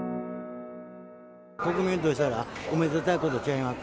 国民としたらおめでたいことちゃいまっか。